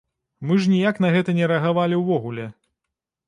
Мы ж ніяк на гэта не рэагавалі ўвогуле.